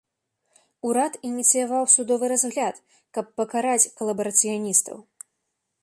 Урад ініцыяваў судовы разгляд, каб пакараць калабарацыяністаў.